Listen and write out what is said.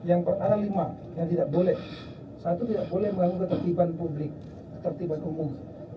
ada yang tidak boleh mengganggu ketertiban umum